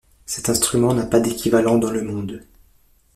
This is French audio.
Cet instrument n'a pas d'équivalent dans le monde.